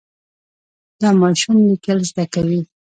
دا ماشوم لیکل زده کوي.